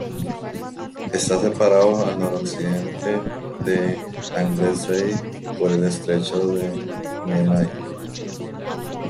Está separado al noroccidente de Anglesey por el Estrecho de Menai.